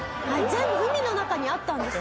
全部海の中にあったんです。